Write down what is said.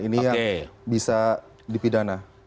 ini yang bisa dipidana